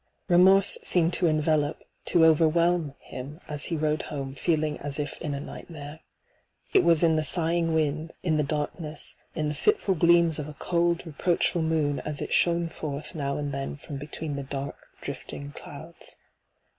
Remorse seemed to envelop, to overwhelm, him as he rode home feeling as If in a night mare. It was in the sighing wind, in the darkness, in the fitful gleams of a cold, re proachfiil moon as it shone forth now and then from between the dark, drifting clouds.